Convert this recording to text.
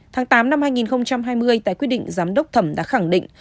tháng tám năm hai nghìn hai mươi tại quyết định giám đốc thẩm đã khẳng định